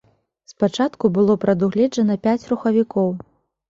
Спачатку было прадугледжана пяць рухавікоў.